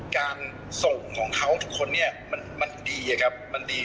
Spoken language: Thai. การส่งของเขาทุกคนเนี่ยมันดีอะครับมันดี